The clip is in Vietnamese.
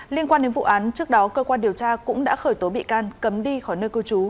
liên quan đến vụ án trước đó cơ quan điều tra cũng đã khởi tố bị can cấm đi khỏi nơi cư trú